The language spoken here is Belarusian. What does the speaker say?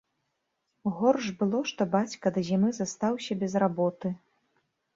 Горш было, што бацька да зімы застаўся без работы.